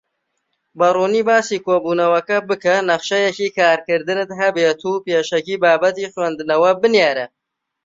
بەڕوونی باسی کۆبوونەوەکە بکە، نەخشەیەکی کارکردنت هەبێت، و پێشەکی بابەتی خویندنەوە بنێرە.